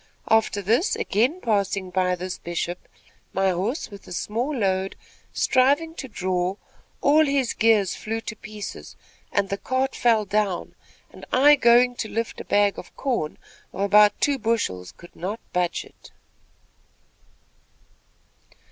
After this, again passing by this Bishop, my horse with a small load, striving to draw, all his gears flew to pieces, and the cart fell down, and I, going to lift a bag of corn, of about two bushels, could not budge it."